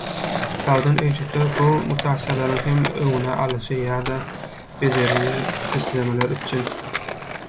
Sagdyn öýjükde bu mutasiýalaryň hem öňüni alyjy ýa-da bejeriji sistemalar üpjün.